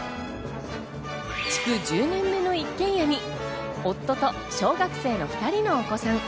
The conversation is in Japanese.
築１０年目の一軒家に夫と小学生の２人のお子さん。